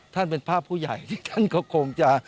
ท่านเป็นภาพผู้ใหญ่ที่ท่านก็คงจะ